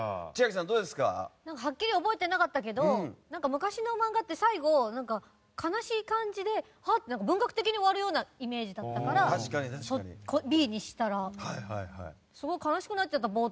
はっきり覚えていなかったけど昔の漫画って最後、悲しい感じで文学的に終わるようなイメージだったからＢにしたらすごい悲しくなっちゃった。